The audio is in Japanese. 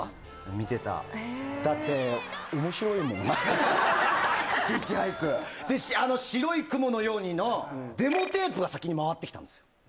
見てただって面白いもんヒッチハイクであの「白い雲のように」のデモテープが先にまわってきたんですよ